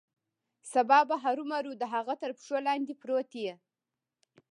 سبا به هرومرو د هغه تر پښو لاندې پروت یې.